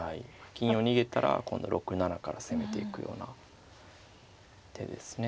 金を逃げたら今度６七から攻めていくような手ですね。